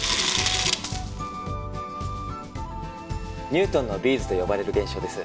「ニュートンのビーズ」と呼ばれる現象です。